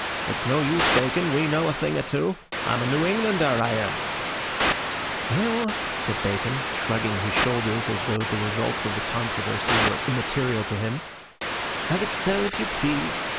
It's no use, Bacon, we know a thing or two. I'm a New Englander, I am." "Well," said Bacon, shrugging his shoulders as though the results of the controversy were immaterial to him, "have it so if you please.